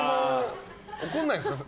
怒らないんですか？